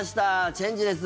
チェンジです。